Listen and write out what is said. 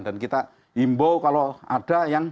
dan kita imbau kalau ada yang